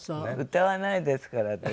歌わないですから私。